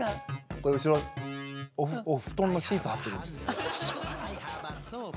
これ後ろお布団のシーツはってるんです。